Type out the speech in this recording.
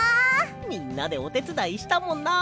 みんなでおてつだいしたもんな。